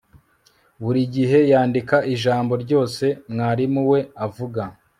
Buri gihe yandika ijambo ryose mwarimu we avuga